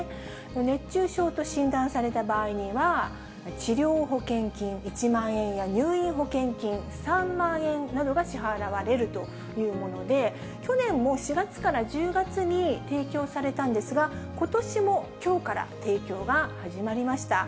熱中症と診断された場合には、治療保険金１万円や入院保険金３万円などが支払われるというもので、去年も４月から１０月に提供されたんですが、ことしも、きょうから提供が始まりました。